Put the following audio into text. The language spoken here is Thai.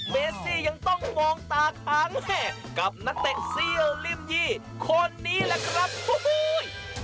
เมซี่ยังต้องมองตาค้างแห่กับนักเตะเซี่ยวริมยี่คนนี้แหละครับโอ้โห